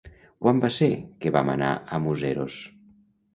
Quan va ser que vam anar a Museros?